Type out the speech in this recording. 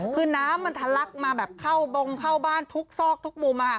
คือน้ำมันทะลักมาแบบเข้าบงเข้าบ้านทุกซอกทุกมุม